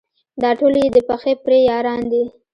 دا ټول یې د پخې پرې یاران دي.